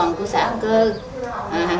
mẹ con chịu đỡ